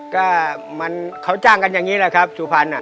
ก็มันเขาจ้างกันอย่างนี้แหละครับสุพรรณ